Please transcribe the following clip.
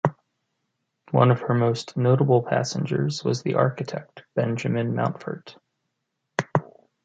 One of her most notable passengers was the architect Benjamin Mountfort.